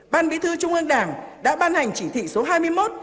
ban bí thư trung ương đảng đã ban hành chỉ thị số hai mươi một